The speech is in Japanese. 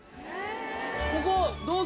ここどうぞ。